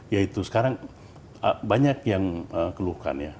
yaitu sekarang banyak yang keluhkan ya